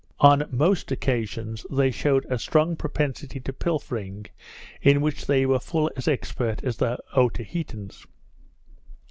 On most occasions they shewed a strong propensity to pilfering; in which they were full as expert as the Otaheitans.